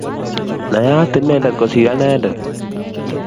Nayat inendet kosir anendet